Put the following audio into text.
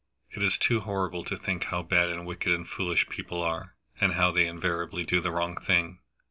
It is too horrible to think how bad and wicked and foolish people are, and how they invariably do the wrong thing.